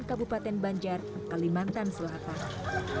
kabupaten banjar kalimantan selatan